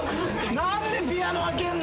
何でピアノ開けんの！？